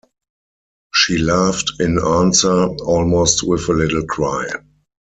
She laughed in answer, almost with a little cry.